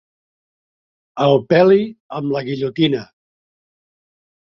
El peli amb la guillotina.